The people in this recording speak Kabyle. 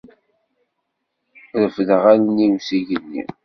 Refdeɣ allen-iw s igenni.